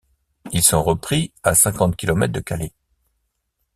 Ils sont repris à cinquante kilomètre de Calais.